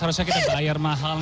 harusnya kita bayar mahal